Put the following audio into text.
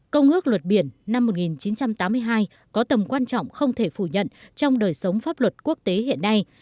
công ước luật biển năm một nghìn chín trăm tám mươi hai có tầm quan trọng không thể phủ nhận trong đời sống pháp luật quốc tế hiện nay